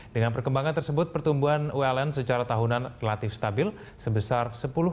dengan perkembangan tersebut pertumbuhan uln secara tahunan relatif stabil sebesar